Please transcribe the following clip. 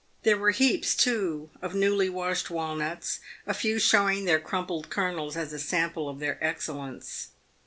There were heaps, too, of newly washed walnuts, a few showing their crumpled kernels as a sample of their excellence.